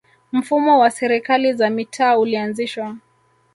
mfumo wa serikali za mitaa ulianzishwa